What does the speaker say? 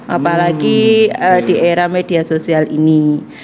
apalagi di era media sosial ini